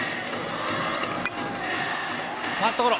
ファーストゴロ。